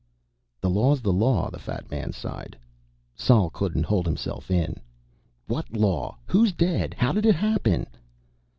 "The law's the law," the fat man sighed. Sol couldn't hold himself in. "What law? Who's dead? How did it happen?"